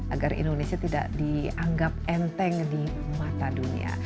agar indonesia tidak dianggap enteng di mata dunia